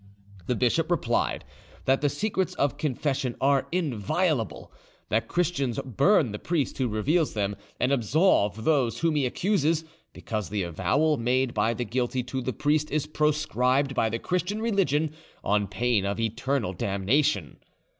The bishop replied that the secrets of confession are inviolable, that Christians burn the priest who reveals them, and absolve those whom he accuses, because the avowal made by the guilty to the priest is proscribed by the Christian religion, on pain of eternal damnation.